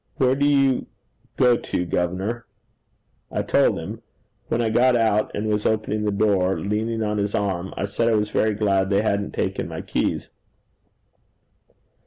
Where do you go to, gov'nor?' I told him. When I got out, and was opening the door, leaning on his arm, I said I was very glad they hadn't taken my keys.